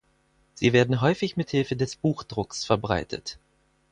Sie werden häufig mit Hilfe des Buchdrucks verbreitet.